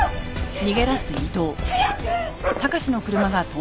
早く！